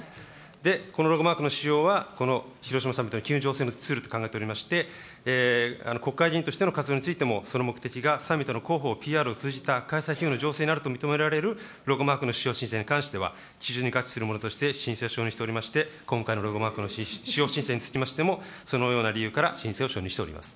で、このロゴマークの使用は、この広島サミットのにすると考えて、考えておりまして、国会議員としての活用についても、その目的がサミットの広報ＰＲを通じた情勢になると認められるロゴマークの使用申請に関しては、基準に合致するものとして、申請承認しておりまして、今回のロゴマークの使用申請につきましても、そのような理由から申請を処理しております。